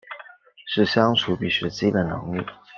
是相处必须的基本能力